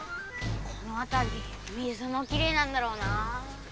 このあたり水もきれいなんだろうな。